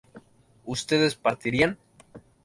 ¿ustedes partirían?